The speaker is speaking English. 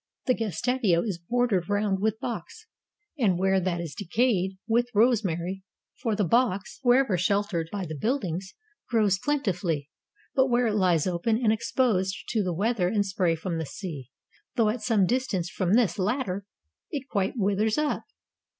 The gestatio is bordered round with box, and, where that is decayed, with rosemary; for the box, wherever sheltered by the buildings, grows plenti fully, but where it lies open and exposed to the weather and spray from the sea, though at some distance from this latter, it quite withers up.